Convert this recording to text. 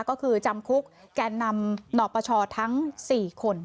ก็คือจำคุกแก่นำหนปชทั้ง๔คน